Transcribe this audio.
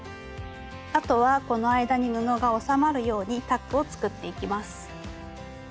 あとはこの間に布がおさまるようにタックを作っていきます。